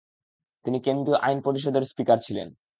তিনি কেন্দ্রীয় আইন পরিষদের স্পিকার ছিলেন।